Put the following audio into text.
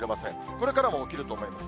これからも起きると思います。